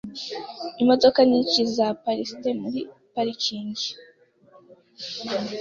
Imodoka nyinshi zaparitse muri parikingi.